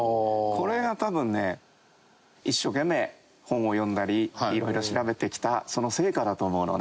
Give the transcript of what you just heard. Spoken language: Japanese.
これが多分ね一生懸命本を読んだりいろいろ調べてきたその成果だと思うのね